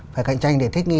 phải cạnh tranh để thích nghi